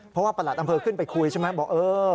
เพราะว่าประหลัดอำเภอขึ้นไปคุยใช่ไหมบอกเออ